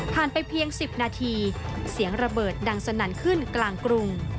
ไปเพียง๑๐นาทีเสียงระเบิดดังสนั่นขึ้นกลางกรุง